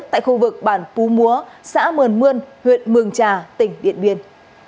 tại khu vực bản pú múa xã mường mươn huyện mường trà tỉnh điện biên